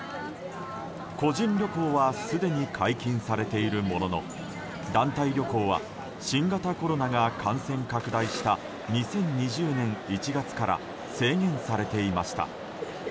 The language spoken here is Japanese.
個人旅行はすでに解禁されているものの団体旅行は新型コロナが感染拡大した２０２０年１月から制限されていました。